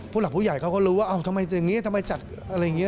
หลักผู้ใหญ่เขาก็รู้ว่าทำไมอย่างนี้ทำไมจัดอะไรอย่างนี้